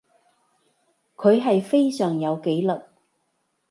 佢係非常有紀律